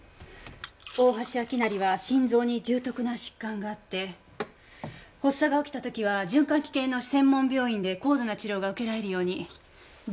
大橋明成は心臓に重篤な疾患があって発作が起きた時は循環器系の専門病院で高度な治療が受けられるように弁護人が申請していたみたい。